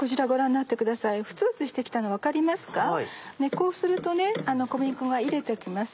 こうすると小麦粉がいれて来ます